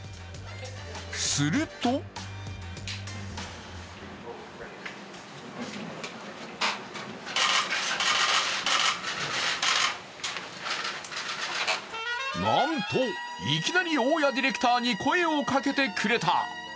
するとなんといきなり大家ディレクターに声をかけてくれた。